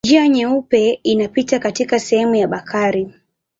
Njia Nyeupe inapita katika sehemu ya Bakari.